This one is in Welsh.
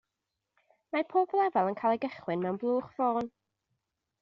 Mae pob lefel yn cael ei gychwyn mewn blwch ffôn.